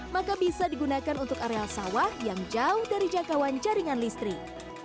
maka bisa digunakan untuk areal sawah yang jauh dari jangkauan jaringan listrik